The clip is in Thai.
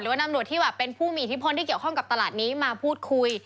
นำรวจที่แบบเป็นผู้มีอิทธิพลที่เกี่ยวข้องกับตลาดนี้มาพูดคุย